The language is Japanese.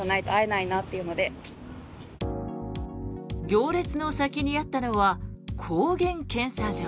行列の先にあったのは抗原検査場。